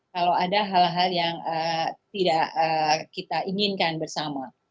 kalau ada hal hal yang tidak kita inginkan bersama